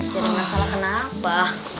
jadi masalah kenapa